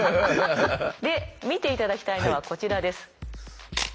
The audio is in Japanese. で見て頂きたいのはこちらです。